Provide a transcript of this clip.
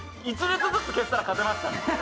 １列ずつ消したら勝てましたね。